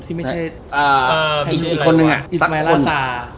ที่ไม่ใช่อีสไมล่าซา